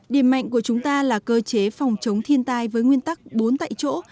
điểm mạnh của chúng ta là cơ chế phòng chống thiên tai với nguyên tắc bốn tại chỗ